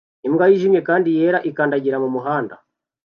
Imbwa yijimye kandi yera ikandagira mumuhanda